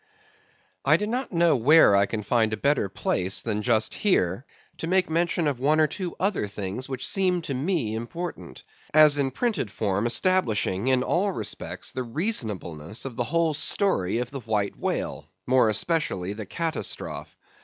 I do not know where I can find a better place than just here, to make mention of one or two other things, which to me seem important, as in printed form establishing in all respects the reasonableness of the whole story of the White Whale, more especially the catastrophe.